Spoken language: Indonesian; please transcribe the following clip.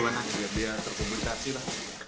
dia terkomunikasi lah